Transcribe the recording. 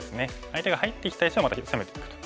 相手が入ってきた石をまた攻めていくと。